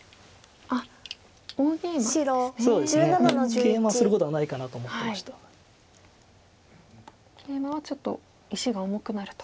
ケイマはちょっと石が重くなると。